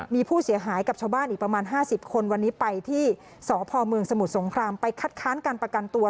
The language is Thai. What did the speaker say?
มีผู้เสียหายกับชาวบ้านอีกประมาณ๕๐คนวันนี้ไปที่สพเมืองสมุทรสงครามไปคัดค้านการประกันตัว